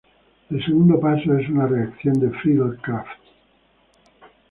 El segundo paso es una reacción de Friedel-Crafts.